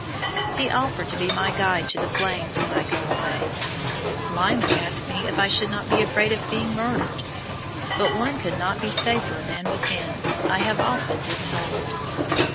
He offered to be my guide to the Plains when I go away. Lyman asked me if I should not be afraid of being murdered, but one could not be safer than with him I have often been told.